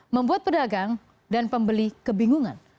membuat pedagang dan pembeli kebingungan